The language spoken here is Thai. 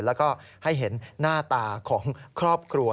แล้วก็ให้เห็นหน้าตาของครอบครัว